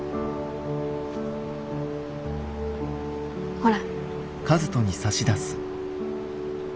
ほら。